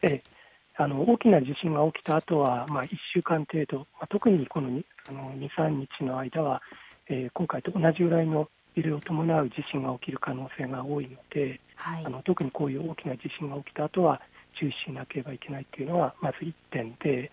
大きな地震が起きたあとは１週間程度、特にこの２、３日の間は今回と同じぐらいの揺れを伴う地震が起きる可能性が多いので特にこういう大きな地震が起きたあとは注意しなければいけないというのが１点です。